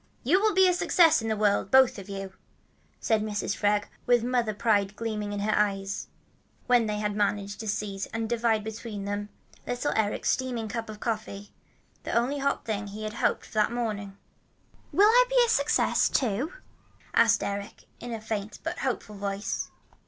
"You will succeed in the world, both of you," said Mrs. Freg with mother pride gleaming in her eyes, when they had managed to seize and divide between them little Eric's steaming cup of coffee, the only hot thing he had hoped for that morning. "Will I be a success, too?" asked Eric in a faint but hopeful voice.